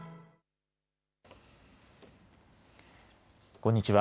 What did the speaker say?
こんにちは。